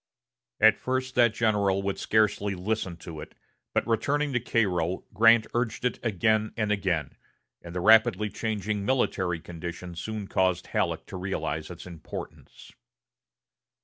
At first that general would scarcely listen to it; but, returning to Cairo, Grant urged it again and again, and the rapidly changing military conditions soon caused Halleck to realize its importance.